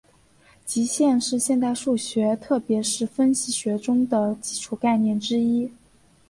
极限是现代数学特别是分析学中的基础概念之一。